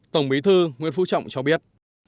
tổng bí thư nguyễn phú trọng cho biết